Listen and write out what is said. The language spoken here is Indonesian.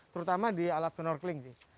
terutama di alat snorkeling sih